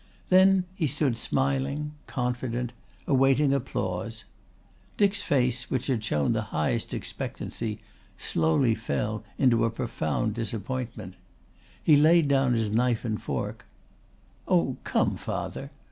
Then he stood smiling, confident, awaiting applause. Dick's face, which had shown the highest expectancy, slowly fell in a profound disappointment. He laid down his knife and fork. "Oh, come, father.